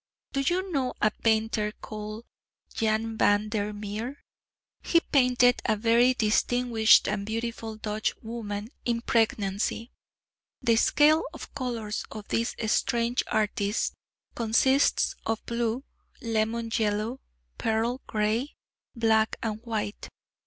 Do you know a painter called Jan van der Meer? He painted a very distinguished and beautiful Dutch woman, in pregnancy. The scale of colours of this strange artist consists of blue, lemon yellow, pearl grey, black and white.